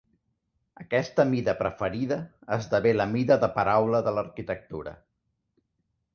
Aquesta mida preferida esdevé la mida de paraula de l'arquitectura.